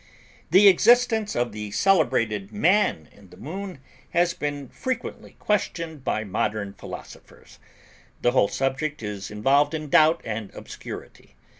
The existence of the celebrated "Man in the Moon" has been frequently questioned by modern philosophers. The whole subject is involved in doubt and obscurity.